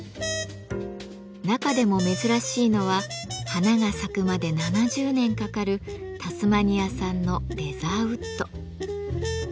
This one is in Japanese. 中でも珍しいのは花が咲くまで７０年かかるタスマニア産の「レザーウッド」。